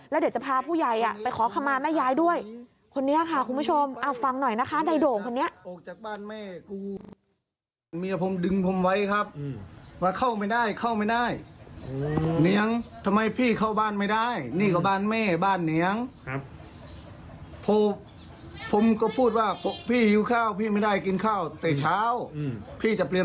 แล้วเดี๋ยวจะพาผู้ใหญ่ไปขอขมาแม่ย้ายด้วย